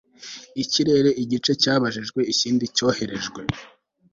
Ikirere igice cyabajijwe ikindi gice cyoherejwe